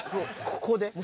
ここで？